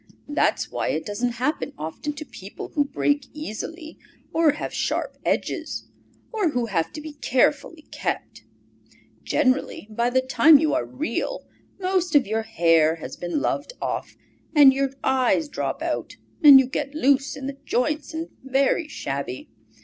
That's why it doesn't happen often to people who break easily, or have sharp edges, or who have to be carefully kept. Generally, by the time you are Real, most of your hair has been loved off, and your eyes drop out and you get loose in the joints and very shabby.